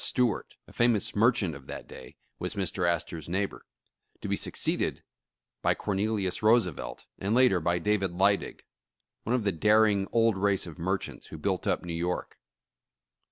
Stuart, a famous merchant of that day, was Mr. Astor's neigh bor, to be succeeded by Cornelius Roosevelt, and later by David Lydig, one of the daring old race of mer chants who built up New" York.